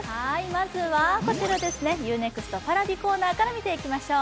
まずは、Ｕ−ＮＥＸＴＰａｒａｖｉコーナーから見ていきましょう。